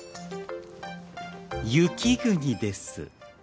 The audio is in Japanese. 『雪国』です。